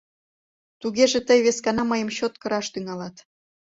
Тугеже тый вескана мыйым чот кыраш тӱҥалат.